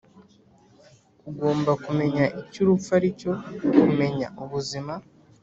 ugomba kumenya icyo urupfu aricyo kumenya ubuzima.